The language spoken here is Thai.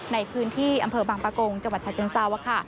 ในพื้นที่อำเภอบางปะโกงจังหวัดฉะเชิงเซาค่ะ